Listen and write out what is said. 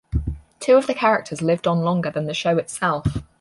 Two of the characters lived on longer than the show itself.